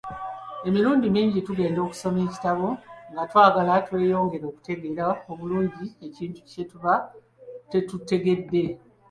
Emirundi mingi tugenda okusoma ekitabo nga twagala tweyongere okutegeera obulungi ekintu kye tuba tetutegedde.